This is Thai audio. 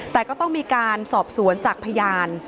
แต่ก็ต้องมีการสอบสวนจากพยาน